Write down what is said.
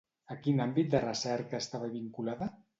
A quin àmbit de recerca estava vinculada?